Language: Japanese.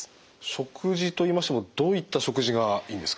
食事といいましてもどういった食事がいいんですか？